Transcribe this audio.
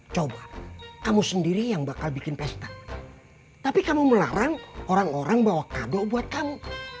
coba kamu sendiri yang bakal bikin pesta tapi kamu melarang orang orang bahwa kado buat kamu